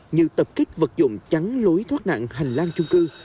như tập kích vật dụng chắn lối thoát nạn hành lang chung cư